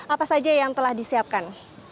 apa saja yang telah disiapkan